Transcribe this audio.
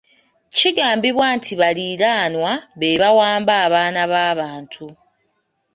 Kigambibwa nti baliraanwa be bawamba abaana b'abantu.